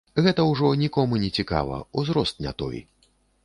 Гэта ўжо нікому не цікава, узрост не той.